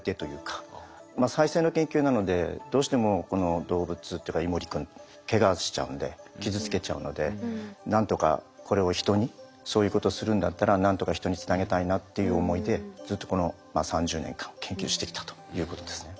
再生の研究なのでどうしてもこの動物っていうかイモリ君ケガしちゃうんで傷つけちゃうので何とかこれを人にそういうことするんだったら何とか人につなげたいなっていう思いでずっとこの３０年間研究してきたということです。